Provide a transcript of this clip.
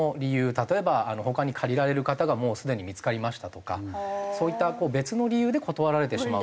例えば他に借りられる方がもうすでに見付かりましたとかそういった別の理由で断られてしまうケースが。